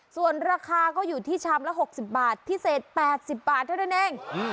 ส่วนราคาก็อยู่ที่ชามละ๖๐บาทพิเศษ๘๐บาทเท่านั้นเอง